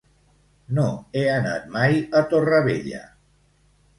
No he anat mai a Torrevella.